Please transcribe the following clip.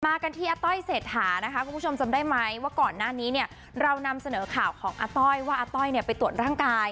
กันที่อาต้อยเศรษฐานะคะคุณผู้ชมจำได้ไหมว่าก่อนหน้านี้เนี่ยเรานำเสนอข่าวของอาต้อยว่าอาต้อยเนี่ยไปตรวจร่างกาย